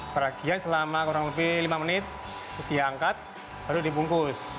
peragian selama kurang lebih lima menit diangkat baru dibungkus